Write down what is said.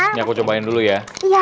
ini aku cobain dulu ya